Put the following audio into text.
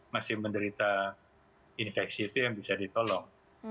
masih menderita infeksi itu yang bisa ditolong